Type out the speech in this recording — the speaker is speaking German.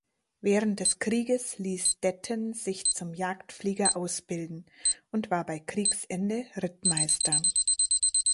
Während des Krieges ließ Detten sich zum Jagdflieger ausbilden und war bei Kriegsende Rittmeister.